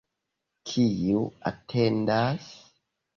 Kiu atendas?